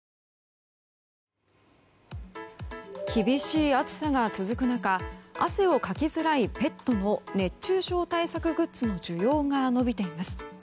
厳しい暑さが続く中汗をかきづらいペットの熱中症対策グッズの需要が伸びています。